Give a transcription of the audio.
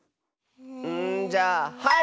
んじゃあはい！